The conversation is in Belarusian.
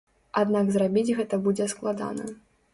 Аднак зрабіць гэта будзе складана.